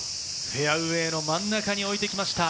フェアウエーの真ん中に置いてきました。